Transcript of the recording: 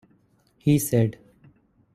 He said ...